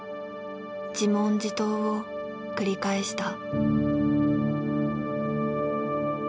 自問自答を繰り返した。